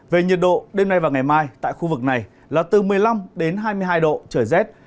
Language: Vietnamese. về nhiệt độ đêm nay và ngày mai tại khu vực này là từ một mươi năm đến hai mươi hai độ trời rét